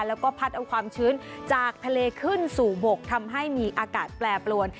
แล้วก็พัดเอาความชื้นจากทะเลขึ้นสู่บกทำให้มีอากาศแปรปรวน